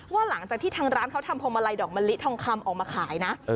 หลังจากที่ทางร้านเขาทำพวงมาลัยดอกมะลิทองคำออกมาขายนะ